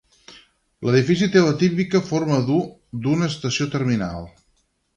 L'edifici té la típica forma d'U d'una estació terminal.